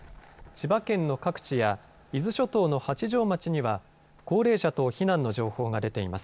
千葉県の各地や伊豆諸島の八丈町には高齢者等避難の情報が出ています。